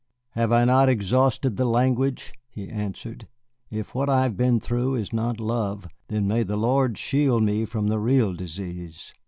"Have I not exhausted the language?" he answered. "If what I have been through is not love, then may the Lord shield me from the real disease."